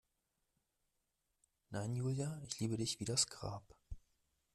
Nein, Julia, ich liebe dich wie das Grab.